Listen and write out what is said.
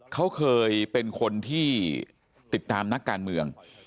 เขาเคยเป็นคนที่ติดตามนักการเมือง